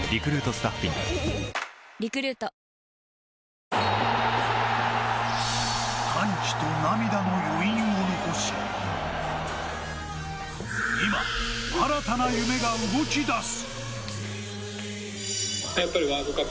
本麒麟歓喜と涙の余韻を残し、今、新たな夢が動きだす。